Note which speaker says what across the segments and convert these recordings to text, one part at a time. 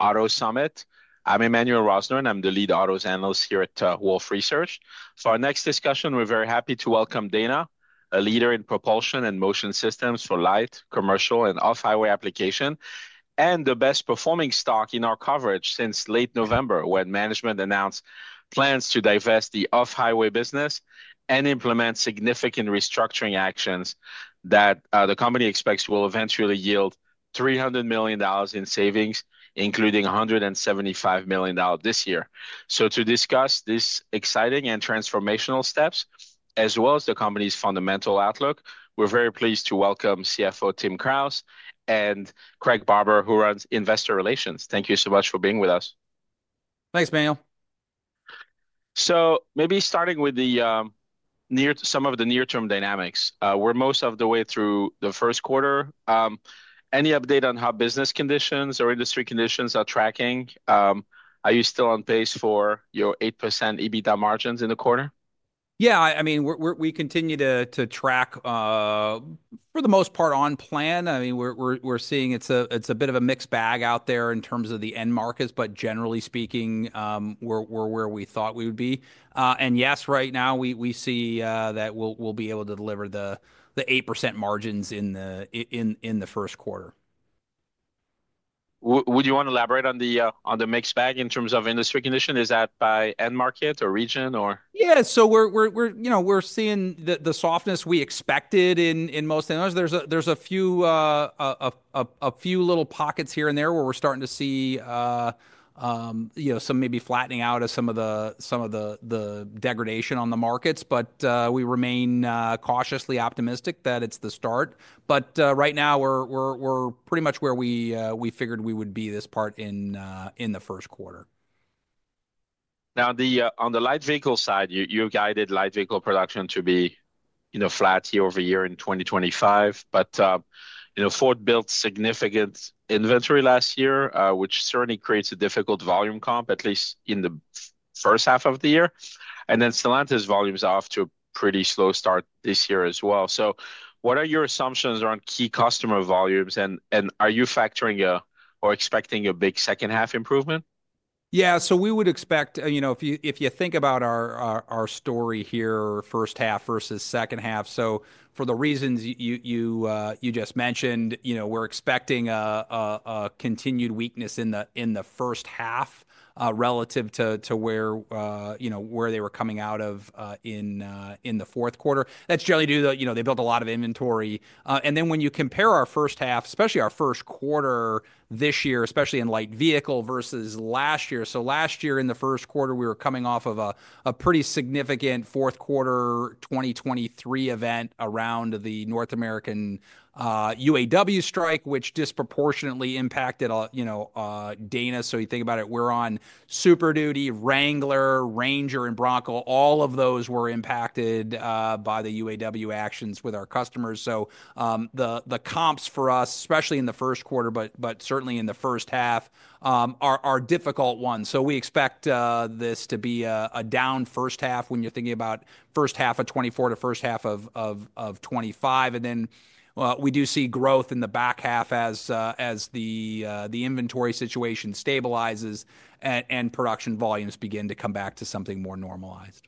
Speaker 1: Autos Summit. I'm Emmanuel Rosner, and I'm the lead autos analyst here at Wolfe Research. For our next discussion, we're very happy to welcome Dana, a leader in propulsion and motion systems for light, commercial, and off-highway application, and the best-performing stock in our coverage since late November when management announced plans to divest the Off-Highway business and implement significant restructuring actions that the company expects will eventually yield $300 million in savings, including $175 million this year. To discuss these exciting and transformational steps, as well as the company's fundamental outlook, we're very pleased to welcome CFO Tim Kraus and Craig Barber, who runs investor relations. Thank you so much for being with us.
Speaker 2: Thanks, Emmanuel.
Speaker 1: Maybe starting with some of the near-term dynamics. We're most of the way through the first quarter. Any update on how business conditions or industry conditions are tracking? Are you still on pace for your 8% EBITDA margins in the quarter?
Speaker 2: Yeah, I mean, we continue to track, for the most part, on plan. I mean, we're seeing it's a bit of a mixed bag out there in terms of the end markets, but generally speaking, we're where we thought we would be. Yes, right now, we see that we'll be able to deliver the 8% margins in the first quarter.
Speaker 1: Would you want to elaborate on the mixed bag in terms of industry condition? Is that by end market or region, or?
Speaker 2: Yeah, so we're seeing the softness we expected in most end markets. There's a few little pockets here and there where we're starting to see some maybe flattening out of some of the degradation on the markets, but we remain cautiously optimistic that it's the start. Right now, we're pretty much where we figured we would be this part in the first quarter.
Speaker 1: Now, on the light vehicle side, you guided light vehicle production to be flat year over year in 2025. Ford built significant inventory last year, which certainly creates a difficult volume comp, at least in the first half of the year. Stellantis volumes are off to a pretty slow start this year as well. What are your assumptions around key customer volumes, and are you factoring or expecting a big second-half improvement?
Speaker 2: Yeah, so we would expect, if you think about our story here, first half versus second half. For the reasons you just mentioned, we're expecting a continued weakness in the first half relative to where they were coming out of in the fourth quarter. That's generally due to they built a lot of inventory. When you compare our first half, especially our first quarter this year, especially in light vehicle versus last year. Last year, in the first quarter, we were coming off of a pretty significant fourth quarter 2023 event around the North American UAW strike, which disproportionately impacted Dana. You think about it, we're on Super Duty, Wrangler, Ranger, and Bronco. All of those were impacted by the UAW actions with our customers. The comps for us, especially in the first quarter, but certainly in the first half, are difficult ones. We expect this to be a down first half when you're thinking about first half of 2024 to first half of 2025. Then we do see growth in the back half as the inventory situation stabilizes and production volumes begin to come back to something more normalized.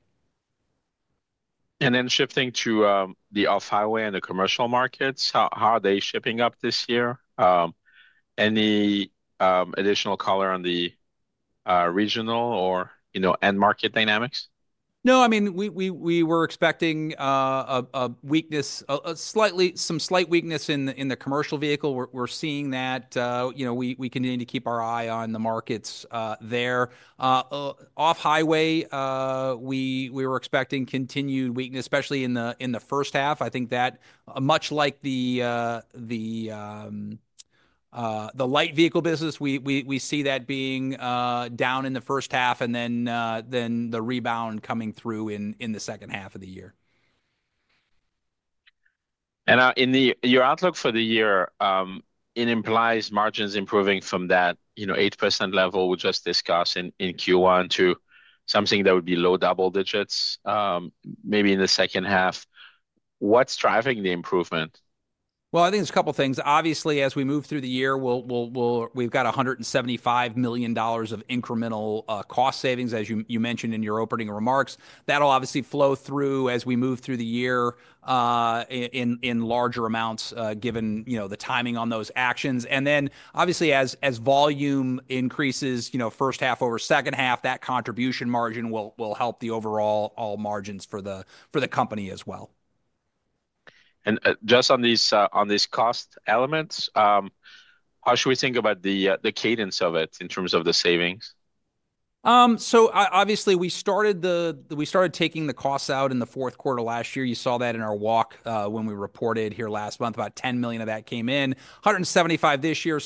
Speaker 1: Shifting to the off-highway and the commercial markets, how are they shaping up this year? Any additional color on the regional or end market dynamics?
Speaker 2: No, I mean, we were expecting a weakness, some slight weakness in the commercial vehicle. We're seeing that. We continue to keep our eye on the markets there. Off-highway, we were expecting continued weakness, especially in the first half. I think that, much like the light vehicle business, we see that being down in the first half and then the rebound coming through in the second half of the year.
Speaker 1: Your outlook for the year, it implies margins improving from that 8% level we just discussed in Q1 to something that would be low double digits maybe in the second half. What's driving the improvement?
Speaker 2: I think there's a couple of things. Obviously, as we move through the year, we've got $175 million of incremental cost savings, as you mentioned in your opening remarks. That'll obviously flow through as we move through the year in larger amounts given the timing on those actions. Then, obviously, as volume increases, first half over second half, that contribution margin will help the overall margins for the company as well.
Speaker 1: Just on these cost elements, how should we think about the cadence of it in terms of the savings?
Speaker 2: Obviously, we started taking the costs out in the fourth quarter last year. You saw that in our walk when we reported here last month, about $10 million of that came in, $175 million this year.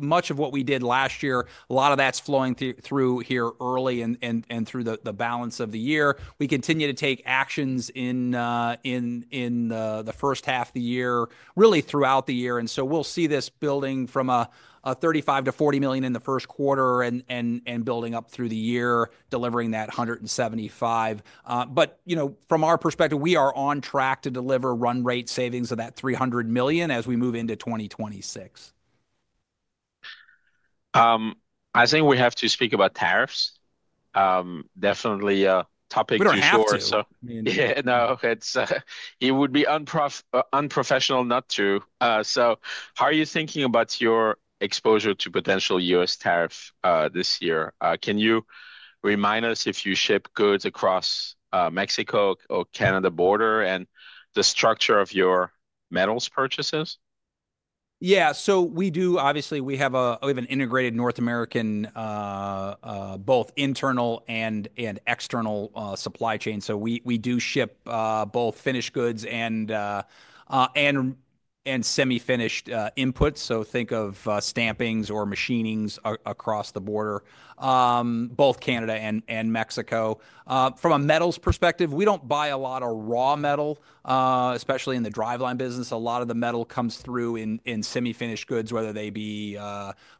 Speaker 2: Much of what we did last year, a lot of that's flowing through here early and through the balance of the year. We continue to take actions in the first half of the year, really throughout the year. We will see this building from a $35 million-$40 million in the first quarter and building up through the year, delivering that $175 million. From our perspective, we are on track to deliver run rate savings of that $300 million as we move into 2026.
Speaker 1: I think we have to speak about tariffs. Definitely a topic du jour.
Speaker 2: We don't have to.
Speaker 1: Yeah, no, it would be unprofessional not to. How are you thinking about your exposure to potential U.S. tariffs this year? Can you remind us if you ship goods across Mexico or Canada border and the structure of your metals purchases?
Speaker 2: Yeah, we do, obviously, we have an integrated North American, both internal and external supply chain. We do ship both finished goods and semi-finished inputs. Think of stampings or machining across the border, both Canada and Mexico. From a metals perspective, we do not buy a lot of raw metal, especially in the driveline business. A lot of the metal comes through in semi-finished goods, whether they be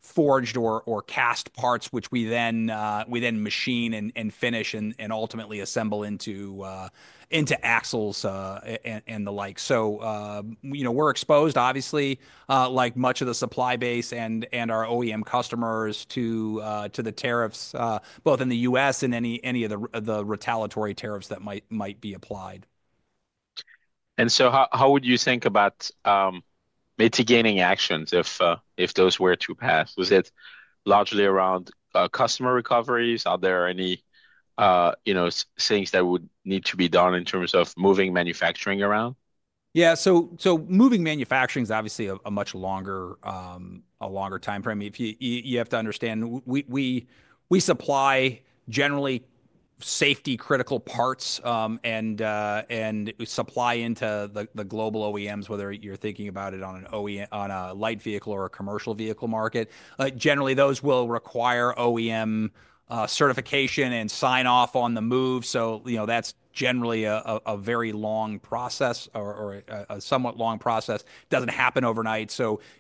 Speaker 2: forged or cast parts, which we then machine and finish and ultimately assemble into axles and the like. We are exposed, obviously, like much of the supply base and our OEM customers, to the tariffs, both in the U.S. and any of the retaliatory tariffs that might be applied.
Speaker 1: How would you think about mitigating actions if those were to pass? Was it largely around customer recoveries? Are there any things that would need to be done in terms of moving manufacturing around?
Speaker 2: Yeah, so moving manufacturing is obviously a much longer timeframe. You have to understand, we supply generally safety-critical parts and supply into the global OEMs, whether you're thinking about it on a light vehicle or a commercial vehicle market. Generally, those will require OEM certification and sign-off on the move. That is generally a very long process or a somewhat long process. It does not happen overnight.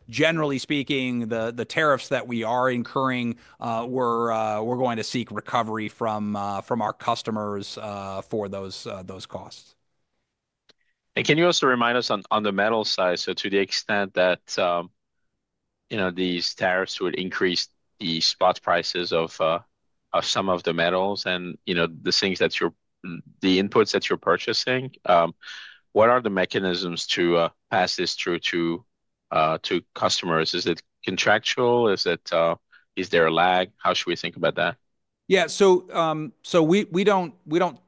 Speaker 2: Generally speaking, the tariffs that we are incurring, we are going to seek recovery from our customers for those costs.
Speaker 1: Can you also remind us on the metal side, so to the extent that these tariffs would increase the spot prices of some of the metals and the things that you're the inputs that you're purchasing, what are the mechanisms to pass this through to customers? Is it contractual? Is there a lag? How should we think about that?
Speaker 2: Yeah, so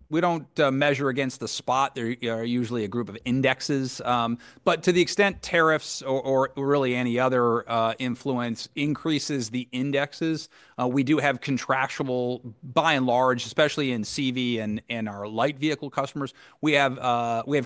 Speaker 2: we don't measure against the spot. There are usually a group of indexes. To the extent tariffs or really any other influence increases the indexes, we do have contractual, by and large, especially in CV and our light vehicle customers. We have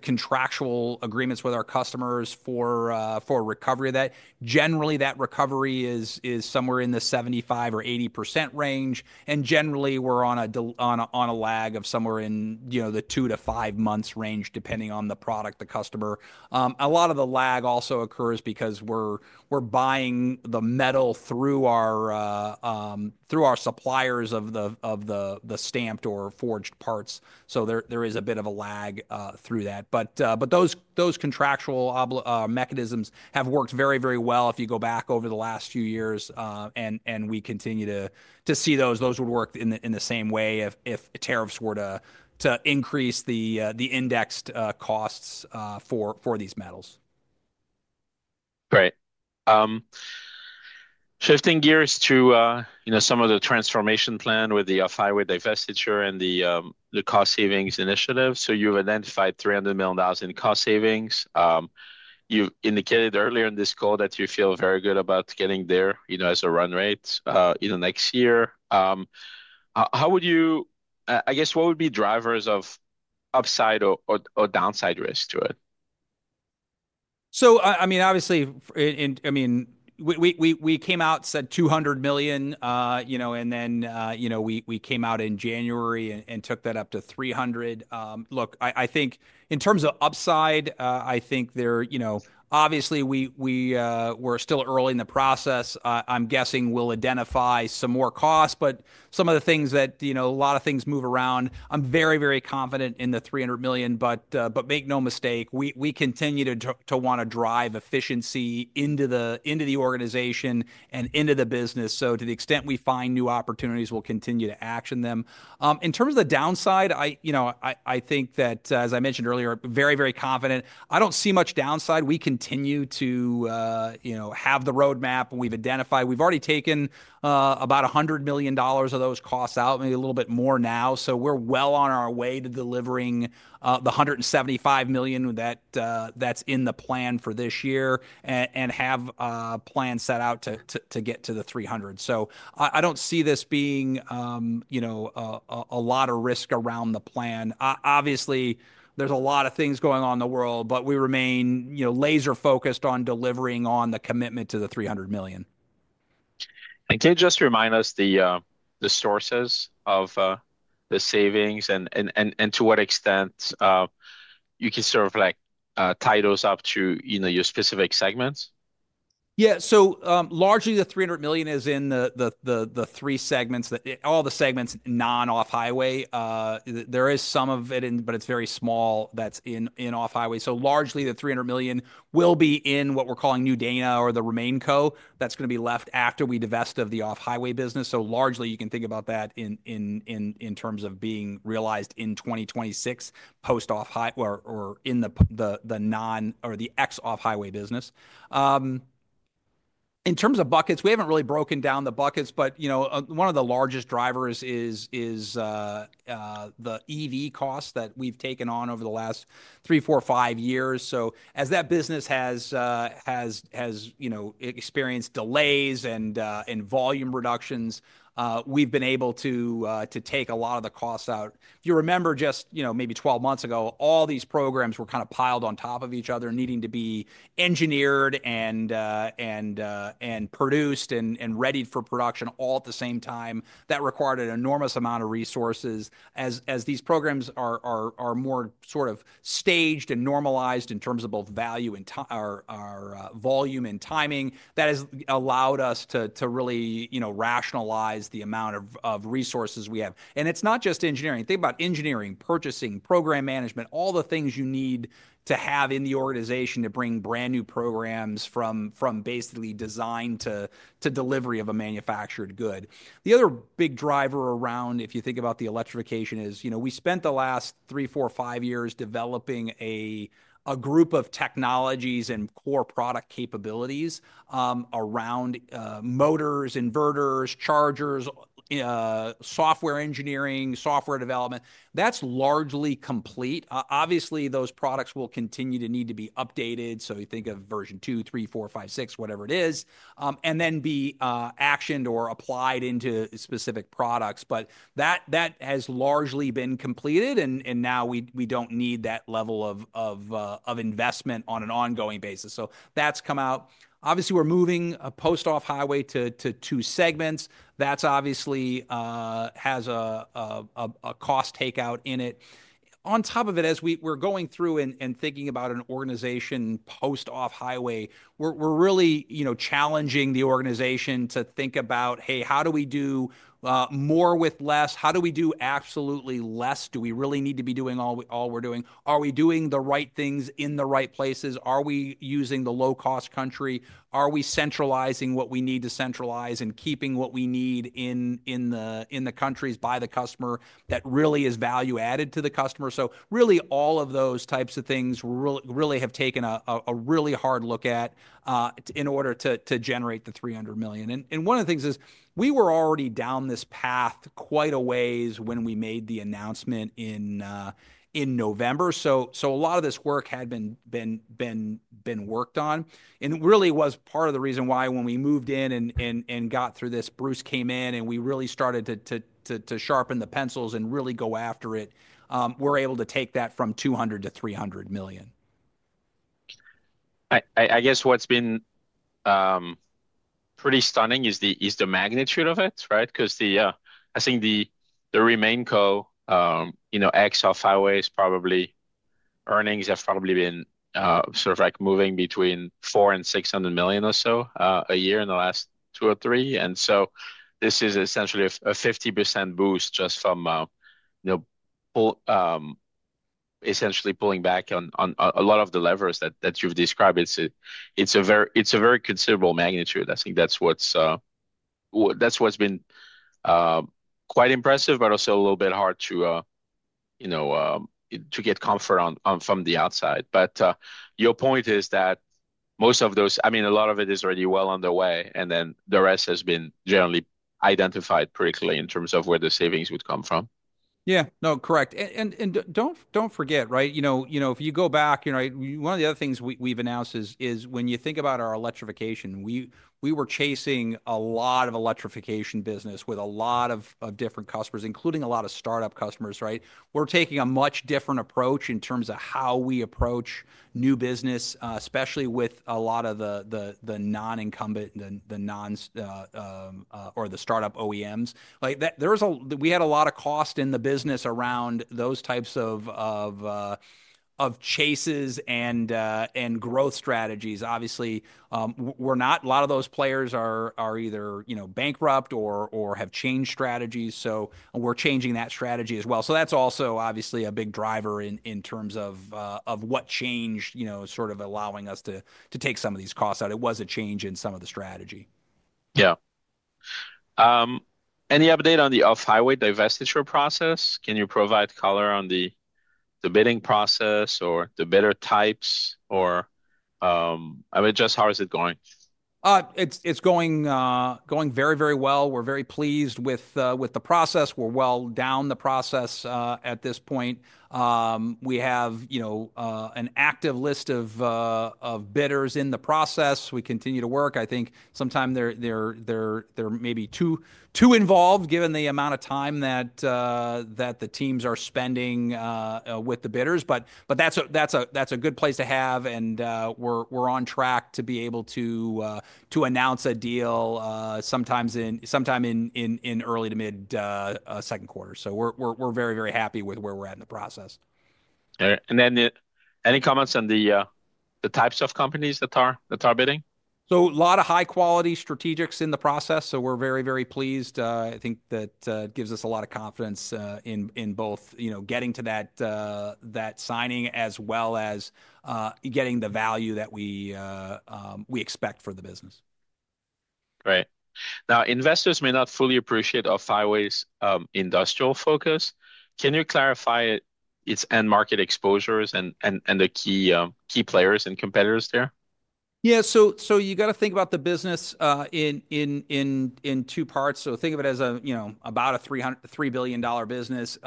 Speaker 2: contractual agreements with our customers for recovery of that. Generally, that recovery is somewhere in the 75% or 80% range. Generally, we're on a lag of somewhere in the two- to five-months range, depending on the product, the customer. A lot of the lag also occurs because we're buying the metal through our suppliers of the stamped or forged parts. There is a bit of a lag through that. Those contractual mechanisms have worked very, very well if you go back over the last few years, and we continue to see those. Those would work in the same way if tariffs were to increase the indexed costs for these metals.
Speaker 1: Great. Shifting gears to some of the transformation plan with the off-highway divestiture and the cost savings initiative. You've identified $300 million in cost savings. You indicated earlier in this call that you feel very good about getting there as a run rate next year. How would you, I guess, what would be drivers of upside or downside risk to it?
Speaker 2: I mean, obviously, I mean, we came out, said $200 million, and then we came out in January and took that up to $300. Look, I think in terms of upside, I think there, obviously, we're still early in the process. I'm guessing we'll identify some more costs, but some of the things that a lot of things move around. I'm very, very confident in the $300 million, but make no mistake, we continue to want to drive efficiency into the organization and into the business. To the extent we find new opportunities, we'll continue to action them. In terms of the downside, I think that, as I mentioned earlier, very, very confident. I don't see much downside. We continue to have the roadmap we've identified. We've already taken about $100 million of those costs out, maybe a little bit more now. We're well on our way to delivering the $175 million that's in the plan for this year and have a plan set out to get to the $300 million. I don't see this being a lot of risk around the plan. Obviously, there's a lot of things going on in the world, but we remain laser-focused on delivering on the commitment to the $300 million.
Speaker 1: Can you just remind us the sources of the savings and to what extent you can sort of tie those up to your specific segments?
Speaker 2: Yeah, so largely the $300 million is in the three segments, all the segments non-off-highway. There is some of it, but it's very small that's in off-highway. Largely the $300 million will be in what we're calling New Dana or the RemainCo. That's going to be left after we divest of the off-highway business. Largely, you can think about that in terms of being realized in 2026 post-off-highway or in the non or the ex-off-highway business. In terms of buckets, we haven't really broken down the buckets, but one of the largest drivers is the EV costs that we've taken on over the last three, four, five years. As that business has experienced delays and volume reductions, we've been able to take a lot of the costs out. If you remember, just maybe 12 months ago, all these programs were kind of piled on top of each other, needing to be engineered and produced and readied for production all at the same time. That required an enormous amount of resources. As these programs are more sort of staged and normalized in terms of both value and volume and timing, that has allowed us to really rationalize the amount of resources we have. It's not just engineering. Think about engineering, purchasing, program management, all the things you need to have in the organization to bring brand new programs from basically design to delivery of a manufactured good. The other big driver around, if you think about the electrification, is we spent the last three, four, five years developing a group of technologies and core product capabilities around motors, inverters, chargers, software engineering, software development. That's largely complete. Obviously, those products will continue to need to be updated. You think of version two, three, four, five, six, whatever it is, and then be actioned or applied into specific products. That has largely been completed, and now we don't need that level of investment on an ongoing basis. That's come out. Obviously, we're moving post-off-highway to two segments. That obviously has a cost takeout in it. On top of it, as we're going through and thinking about an organization post-off-highway, we're really challenging the organization to think about, hey, how do we do more with less? How do we do absolutely less? Do we really need to be doing all we're doing? Are we doing the right things in the right places? Are we using the low-cost country? Are we centralizing what we need to centralize and keeping what we need in the countries by the customer that really is value added to the customer? All of those types of things really have taken a really hard look at in order to generate the $300 million. One of the things is we were already down this path quite a ways when we made the announcement in November. A lot of this work had been worked on. It really was part of the reason why when we moved in and got through this, Bruce came in, and we really started to sharpen the pencils and really go after it. We were able to take that from $200 million-$300 million.
Speaker 1: I guess what's been pretty stunning is the magnitude of it, right? Because I think the RemainCo ex-off-highway probably earnings have probably been sort of like moving between $400 million-$600 million or so a year in the last two or three. This is essentially a 50% boost just from essentially pulling back on a lot of the levers that you've described. It's a very considerable magnitude. I think that's what's been quite impressive, also a little bit hard to get comfort from the outside. Your point is that most of those, I mean, a lot of it is already well on the way, and then the rest has been generally identified pretty clearly in terms of where the savings would come from.
Speaker 2: Yeah, no, correct. Do not forget, right? If you go back, one of the other things we have announced is when you think about our electrification, we were chasing a lot of electrification business with a lot of different customers, including a lot of startup customers, right? We are taking a much different approach in terms of how we approach new business, especially with a lot of the non-incumbent or the startup OEMs. We had a lot of cost in the business around those types of chases and growth strategies. Obviously, a lot of those players are either bankrupt or have changed strategies. We are changing that strategy as well. That is also obviously a big driver in terms of what changed, sort of allowing us to take some of these costs out. It was a change in some of the strategy.
Speaker 1: Yeah. Any update on the off-highway divestiture process? Can you provide color on the bidding process or the bidder types or just how is it going?
Speaker 2: It's going very, very well. We're very pleased with the process. We're well down the process at this point. We have an active list of bidders in the process. We continue to work. I think sometimes they're maybe too involved given the amount of time that the teams are spending with the bidders. That is a good place to have, and we're on track to be able to announce a deal sometime in early to mid-second quarter. We're very, very happy with where we're at in the process.
Speaker 1: you have any comments on the types of companies that are bidding?
Speaker 2: A lot of high-quality strategics in the process. We are very, very pleased. I think that gives us a lot of confidence in both getting to that signing as well as getting the value that we expect for the business.
Speaker 1: Great. Now, investors may not fully appreciate off-highways' industrial focus. Can you clarify its end market exposures and the key players and competitors there?
Speaker 2: Yeah. You got to think about the business in two parts. Think of it as about a $3 billion business.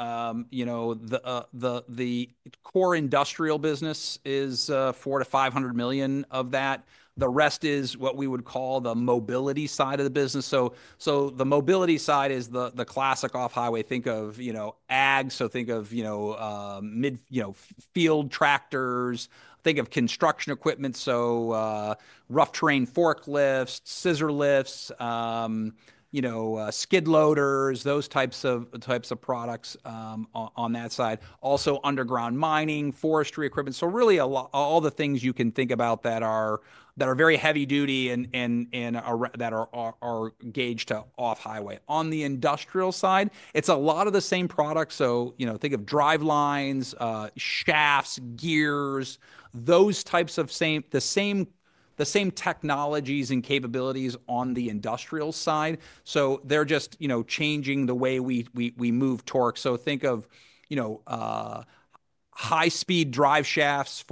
Speaker 2: The core industrial business is $400 million-$500 million of that. The rest is what we would call the mobility side of the business. The mobility side is the classic off-highway. Think of ag. Think of field tractors. Think of construction equipment. Rough terrain forklifts, scissor lifts, skid loaders, those types of products on that side. Also, underground mining, forestry equipment. Really all the things you can think about that are very heavy duty and that are gauged to off-highway. On the industrial side, it's a lot of the same products. Think of drivelines, shafts, gears, those types of the same technologies and capabilities on the industrial side. They're just changing the way we move torque. Think of high-speed driveshafts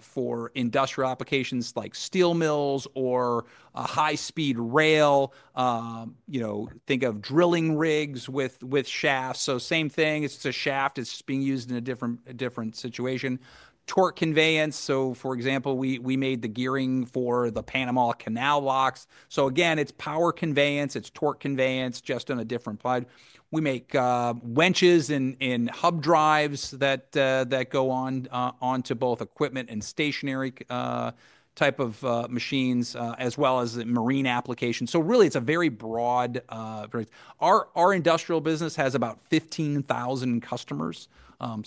Speaker 2: for industrial applications like steel mills or high-speed rail. Think of drilling rigs with shafts. Same thing. It's a shaft. It's being used in a different situation. Torque conveyance. For example, we made the gearing for the Panama Canal locks. Again, it's power conveyance. It's torque conveyance just in a different play. We make winches and hub drives that go onto both equipment and stationary type of machines as well as marine applications. Really, it's a very broad—our industrial business has about 15,000 customers.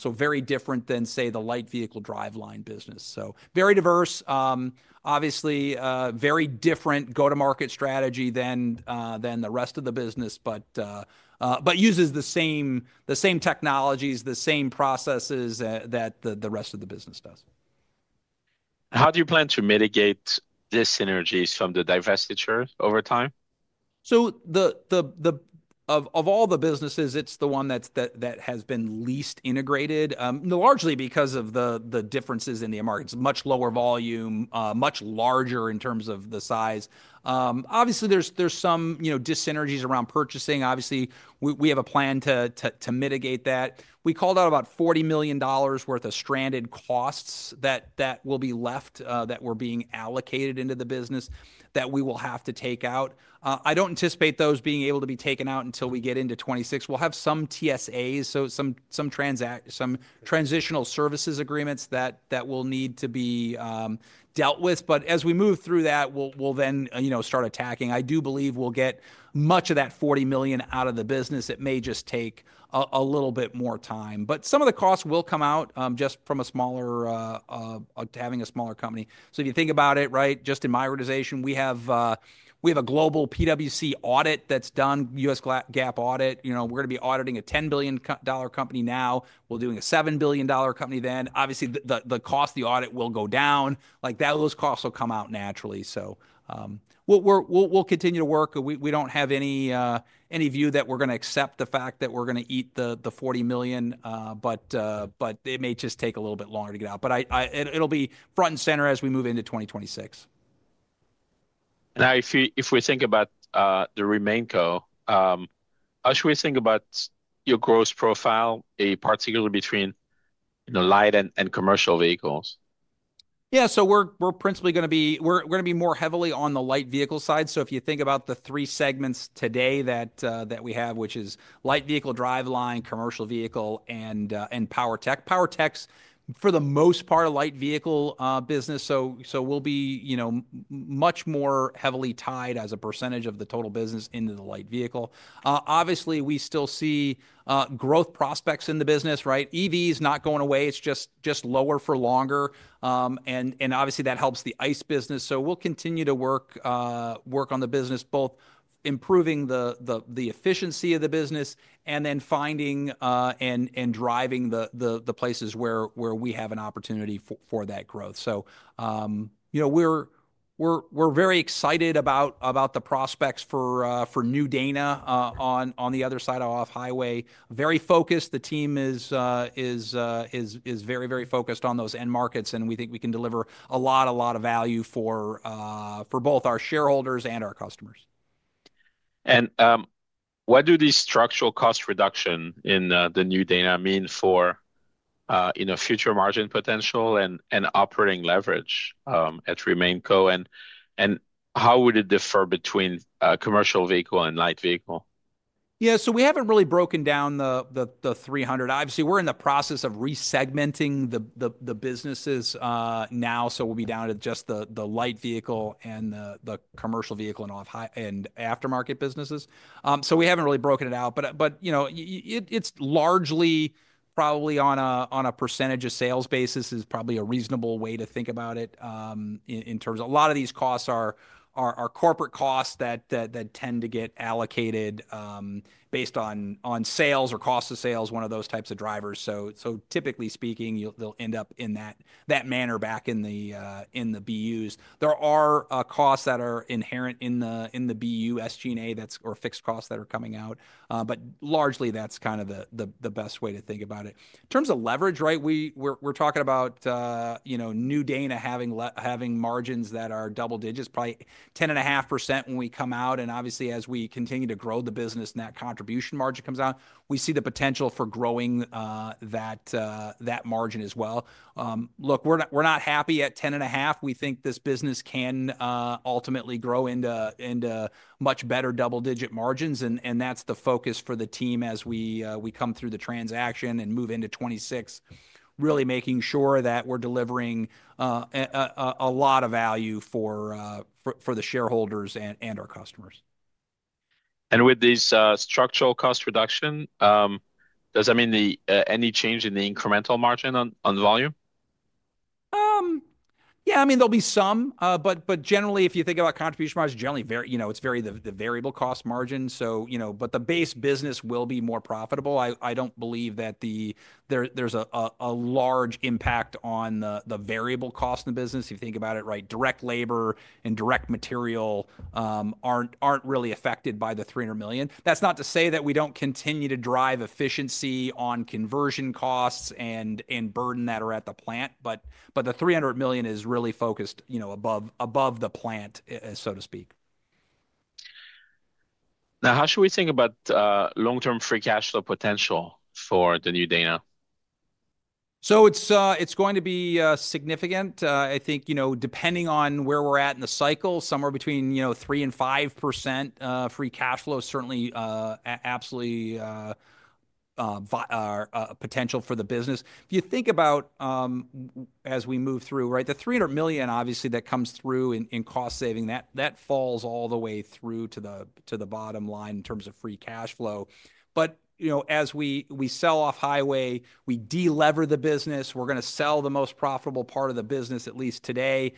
Speaker 2: Very different than, say, the light vehicle driveline business. Very diverse. Obviously, very different go-to-market strategy than the rest of the business, but uses the same technologies, the same processes that the rest of the business does.
Speaker 1: How do you plan to mitigate these synergies from the divestiture over time?
Speaker 2: Of all the businesses, it's the one that has been least integrated, largely because of the differences in the markets. Much lower volume, much larger in terms of the size. Obviously, there's some dissynergies around purchasing. Obviously, we have a plan to mitigate that. We called out about $40 million worth of stranded costs that will be left that were being allocated into the business that we will have to take out. I don't anticipate those being able to be taken out until we get into 2026. We'll have some TSAs, some transitional services agreements that will need to be dealt with. As we move through that, we'll then start attacking. I do believe we'll get much of that $40 million out of the business. It may just take a little bit more time. Some of the costs will come out just from having a smaller company. If you think about it, right, just in my organization, we have a global PwC audit that's done, U.S. GAAP audit. We're going to be auditing a $10 billion company now. We're doing a $7 billion company then. Obviously, the cost of the audit will go down. Those costs will come out naturally. We'll continue to work. We don't have any view that we're going to accept the fact that we're going to eat the $40 million, but it may just take a little bit longer to get out. It'll be front and center as we move into 2026.
Speaker 1: Now, if we think about the RemainCo, how should we think about your growth profile, particularly between light and commercial vehicles?
Speaker 2: Yeah. We're principally going to be more heavily on the light vehicle side. If you think about the three segments today that we have, which is Light Vehicle Driveline, Commercial Vehicle, and Power Tech. Power Tech, for the most part, are light vehicle business. We'll be much more heavily tied as a percentage of the total business into the light vehicle. Obviously, we still see growth prospects in the business, right? EVs not going away. It's just lower for longer. Obviously, that helps the ICE business. We'll continue to work on the business, both improving the efficiency of the business and then finding and driving the places where we have an opportunity for that growth. We're very excited about the prospects for New Dana on the other side of off-highway. Very focused. The team is very, very focused on those end markets, and we think we can deliver a lot of value for both our shareholders and our customers.
Speaker 1: What do these structural cost reductions in the New Dana mean for future margin potential and operating leverage at RemainCo? How would it differ between commercial vehicle and light vehicle?
Speaker 2: Yeah. We haven't really broken down the 300. Obviously, we're in the process of resegmenting the businesses now. We'll be down to just the light vehicle and the commercial vehicle and aftermarket businesses. We haven't really broken it out. It's largely probably on a percentage of sales basis, which is probably a reasonable way to think about it in terms of a lot of these costs are corporate costs that tend to get allocated based on sales or cost of sales, one of those types of drivers. Typically speaking, they'll end up in that manner back in the BUs. There are costs that are inherent in the BU SG&A or fixed costs that are coming out. Largely, that's kind of the best way to think about it. In terms of leverage, right, we're talking about New Dana having margins that are double digits, probably 10.5% when we come out. Obviously, as we continue to grow the business and that contribution margin comes out, we see the potential for growing that margin as well. Look, we're not happy at 10.5%. We think this business can ultimately grow into much better double-digit margins. That is the focus for the team as we come through the transaction and move into 2026, really making sure that we're delivering a lot of value for the shareholders and our customers.
Speaker 1: With these structural cost reductions, does that mean any change in the incremental margin on volume?
Speaker 2: Yeah. I mean, there'll be some. Generally, if you think about contribution margins, generally, it's the variable cost margin. The base business will be more profitable. I don't believe that there's a large impact on the variable cost in the business. If you think about it, right, direct labor and direct material aren't really affected by the $300 million. That's not to say that we don't continue to drive efficiency on conversion costs and burden that are at the plant. The $300 million is really focused above the plant, so to speak.
Speaker 1: Now, how should we think about long-term free cash flow potential for the New Dana?
Speaker 2: It's going to be significant. I think depending on where we're at in the cycle, somewhere between 3%-5% free cash flow is certainly absolutely a potential for the business. If you think about as we move through, right, the $300 million obviously that comes through in cost saving, that falls all the way through to the bottom line in terms of free cash flow. As we sell off-highway, we delever the business. We're going to sell the most profitable part of the business, at least today,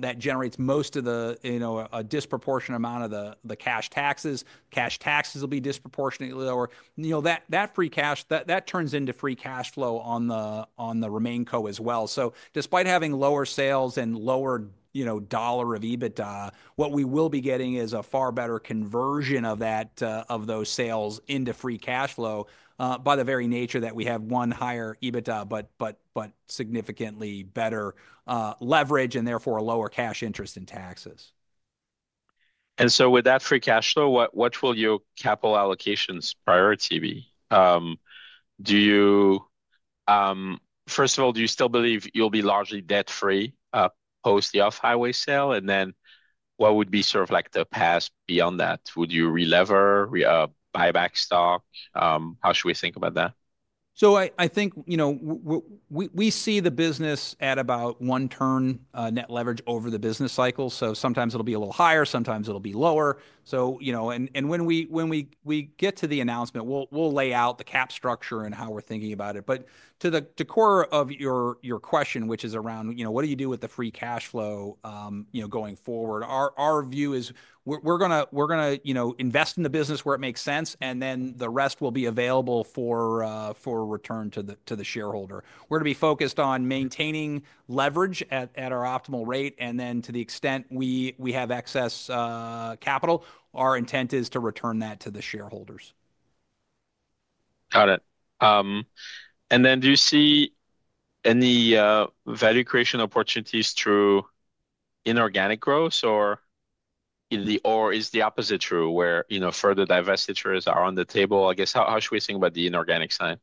Speaker 2: that generates most of a disproportionate amount of the cash taxes. Cash taxes will be disproportionately lower. That free cash, that turns into free cash flow on the RemainCo as well. Despite having lower sales and lower dollar of EBITDA, what we will be getting is a far better conversion of those sales into free cash flow by the very nature that we have one higher EBITDA, but significantly better leverage and therefore a lower cash interest in taxes.
Speaker 1: With that free cash flow, what will your capital allocations priority be? First of all, do you still believe you'll be largely debt-free post the off-highway sale? What would be sort of like the path beyond that? Would you relever, buy back stock? How should we think about that?
Speaker 2: I think we see the business at about one turn net leverage over the business cycle. Sometimes it'll be a little higher. Sometimes it'll be lower. When we get to the announcement, we'll lay out the cap structure and how we're thinking about it. To the core of your question, which is around what do you do with the free cash flow going forward, our view is we're going to invest in the business where it makes sense, and then the rest will be available for return to the shareholder. We're going to be focused on maintaining leverage at our optimal rate. To the extent we have excess capital, our intent is to return that to the shareholders.
Speaker 1: Got it. Do you see any value creation opportunities through inorganic growth, or is the opposite true where further divestitures are on the table? I guess, how should we think about the inorganic side?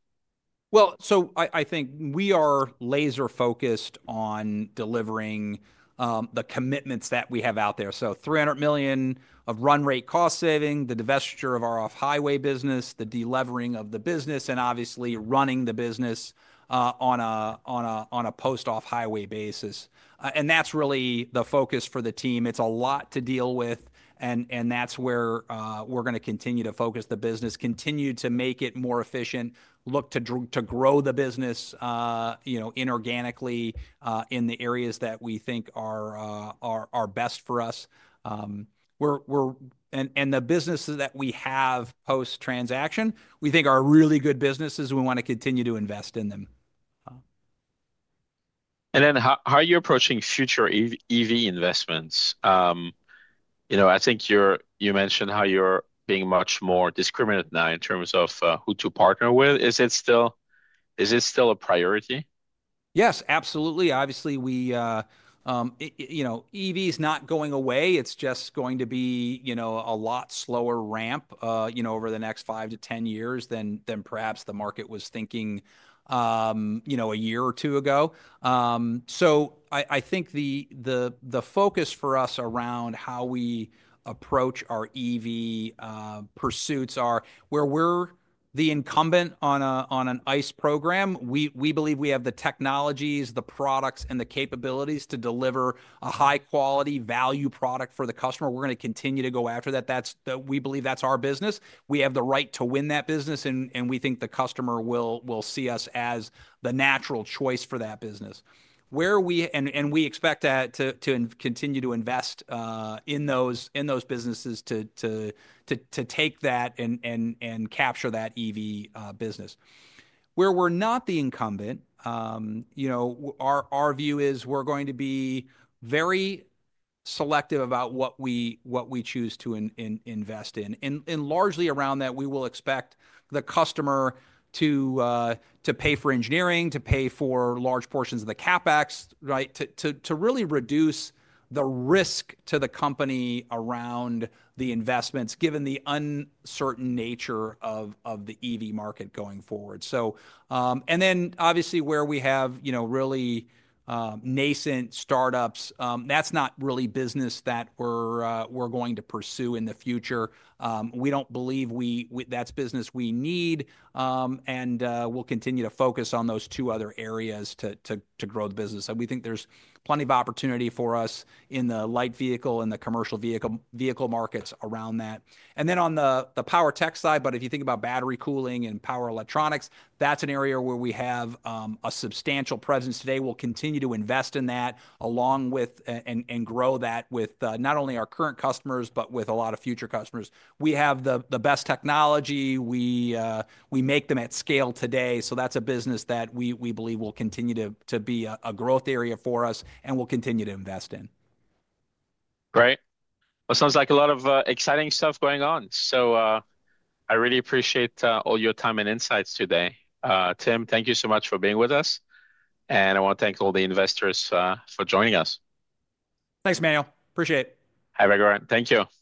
Speaker 2: I think we are laser-focused on delivering the commitments that we have out there. $300 million of run rate cost saving, the divestiture of our off-highway business, the delevering of the business, and obviously running the business on a post-off-highway basis. That's really the focus for the team. It's a lot to deal with. That's where we're going to continue to focus the business, continue to make it more efficient, look to grow the business inorganically in the areas that we think are best for us. The businesses that we have post-transaction, we think are really good businesses. We want to continue to invest in them.
Speaker 1: How are you approaching future EV investments? I think you mentioned how you're being much more discriminant now in terms of who to partner with. Is it still a priority?
Speaker 2: Yes, absolutely. Obviously, EV is not going away. It's just going to be a lot slower ramp over the next 5 to 10 years than perhaps the market was thinking a year or two ago. I think the focus for us around how we approach our EV pursuits are where we're the incumbent on an ICE program. We believe we have the technologies, the products, and the capabilities to deliver a high-quality value product for the customer. We're going to continue to go after that. We believe that's our business. We have the right to win that business. We think the customer will see us as the natural choice for that business. We expect to continue to invest in those businesses to take that and capture that EV business. Where we're not the incumbent, our view is we're going to be very selective about what we choose to invest in. Largely around that, we will expect the customer to pay for engineering, to pay for large portions of the CapEx, right, to really reduce the risk to the company around the investments, given the uncertain nature of the EV market going forward. Obviously, where we have really nascent startups, that's not really business that we're going to pursue in the future. We don't believe that's business we need. We'll continue to focus on those two other areas to grow the business. We think there's plenty of opportunity for us in the light vehicle and the commercial vehicle markets around that. On the power tech side, if you think about battery cooling and power electronics, that's an area where we have a substantial presence today. We will continue to invest in that along with and grow that with not only our current customers, but with a lot of future customers. We have the best technology. We make them at scale today. That is a business that we believe will continue to be a growth area for us and we will continue to invest in.
Speaker 1: Great. It sounds like a lot of exciting stuff going on. I really appreciate all your time and insights today. Tim, thank you so much for being with us. I want to thank all the investors for joining us.
Speaker 2: Thanks, Emmanuel. Appreciate it.
Speaker 1: Have a great one. Thank you.